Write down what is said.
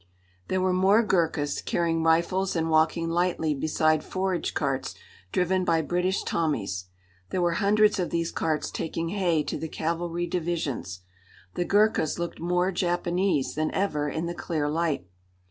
There were more Ghurkas, carrying rifles and walking lightly beside forage carts driven by British Tommies. There were hundreds of these carts taking hay to the cavalry divisions. The Ghurkas looked more Japanese than ever in the clear light.